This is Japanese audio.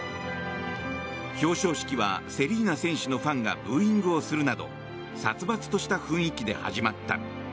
表彰式はセリーナ選手のファンがブーイングをするなど殺伐とした雰囲気で始まった。